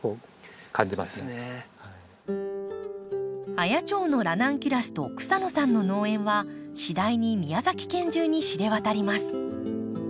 綾町のラナンキュラスと草野さんの農園は次第に宮崎県中に知れ渡ります。